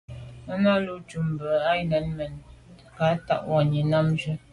Náná lùcúp mbə̄ jə̂nə̀ mɛ́n lî à’ cák nɛ̂n mwà’nì á nǎmjʉ́.